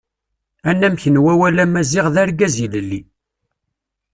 Anamek n wawal Amaziɣ d Argaz ilelli.